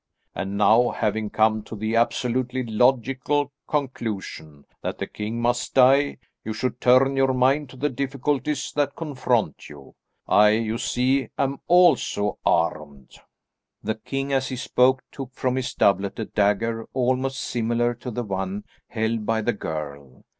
And now having come to the absolutely logical conclusion that the king must die, you should turn your mind to the difficulties that confront you. I, you see, am also armed." The king as he spoke took from his doublet a dagger almost similar to the one held by the girl.